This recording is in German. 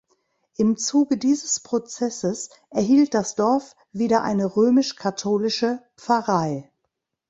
Im Zuge dieses Prozesses erhielt das Dorf wieder eine römisch-katholische Pfarrei.